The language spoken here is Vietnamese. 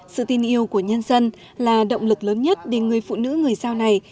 sự tin yêu của nhân dân là động lực lớn nhất để người phụ nữ người giao này